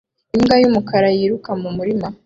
Imbwa y'umukara yiruka mu murima